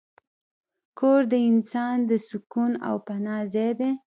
کور د انسان د سکون او پناه ځای دی.